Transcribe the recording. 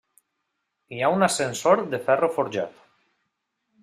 Hi ha un ascensor de ferro forjat.